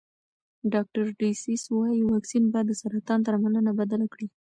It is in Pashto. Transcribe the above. ډاکټر ډسیس وايي واکسین به د سرطان درملنه بدله کړي.